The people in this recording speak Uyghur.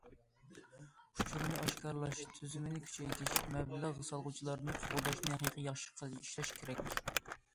ئۇچۇرنى ئاشكارىلاش تۈزۈمىنى كۈچەيتىش، مەبلەغ سالغۇچىلارنى قوغداشنى ھەقىقىي ياخشى ئىشلەش كېرەك.